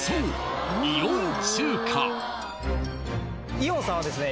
イオンさんはですね